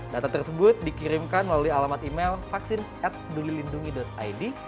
data tersebut dikirimkan melalui alamat email vaksin atdulilindungi id